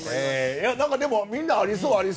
でも、みんなありそう。